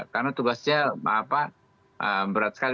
karena tugasnya berat sekali